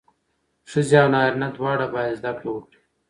ښځې او نارینه دواړه باید زدهکړه وکړي.